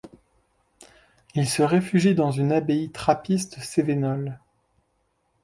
Il se réfugie dans une abbaye trappiste cévenole.